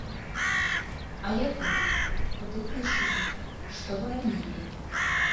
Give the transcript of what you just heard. А якой, куды пайшлі, што рабілі.